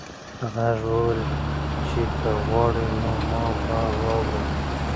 غږ وویل چې که واوړې نو ما به واورې.